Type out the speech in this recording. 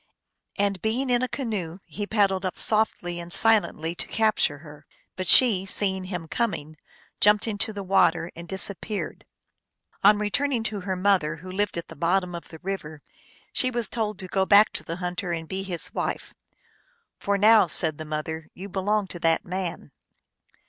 And being in a canoe he paddled up softly and si lently to capture her ; but she, seeing him coming, jumped into the water and disappeared. On return ing to her mother, who lived at the bottom of the river, she was told to go back to the hunter and be his wife ;" for now," said the mother, " you belong to that man."